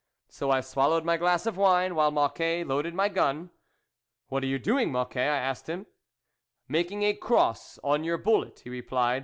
So I swallowed my glass of wine while Mocquet loaded my gun. " What are you doing, Mocquet ?" I asked him. " Making a cross on your bullet," he replied.